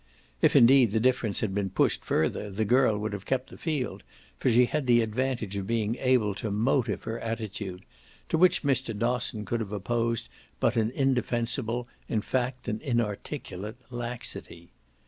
If indeed the difference had been pushed further the girl would have kept the field, for she had the advantage of being able to motive her attitude, to which Mr. Dosson could have opposed but an indefensible, in fact an inarticulate, laxity.